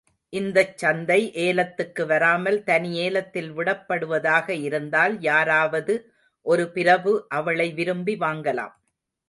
இந்தச் சந்தை ஏலத்துக்கு வராமல் தனி ஏலத்தில் விடப்படுவதாக இருந்தால் யாராவது ஒரு பிரபு அவளை விரும்பி வாங்கலாம்.